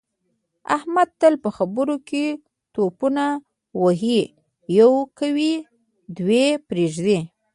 احمد تل په خبروکې ټوپونه وهي یوه کوي دوې پرېږدي.